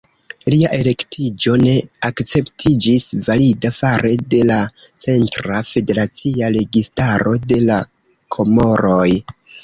Lia elektiĝo ne akceptiĝis valida fare de la centra, federacia registaro de la Komoroj.